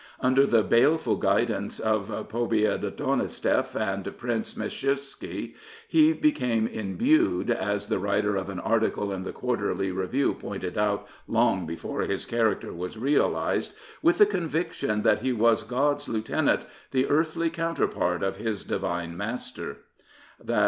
Under the baleful guidance of Pobiedonostseff and Prince Meshkershtsky, he be came imbued, as the writer of an article in the Quarterly Review pointed out long before his character *i 361 Prophets, Priests, and Kings was realised, with the conviction that he was God's lieutenant, the earthly counterpart of his Divine Master.